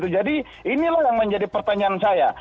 jadi inilah yang menjadi pertanyaan saya